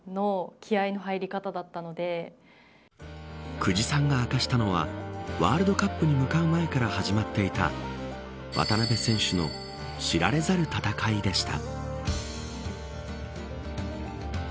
久慈さんが明かしたのはワールドカップに向かう前から始まっていた渡邊選手の知られざる戦いでした。